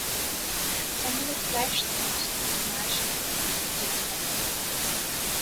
তাহলে ফ্ল্যাশ থম্পসনের লাশ ডিঙিয়ে যেতে হবে।